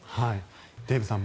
デーブさん